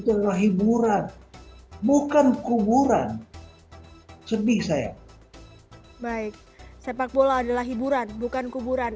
adalah hiburan bukan kuburan sedih saya baik sepak bola adalah hiburan bukan kuburan